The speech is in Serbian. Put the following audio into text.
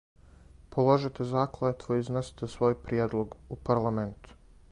Положите заклетву и изнесите свој приједлог у парламенту.